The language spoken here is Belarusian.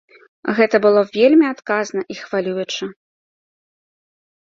Гэта было вельмі адказна і хвалююча.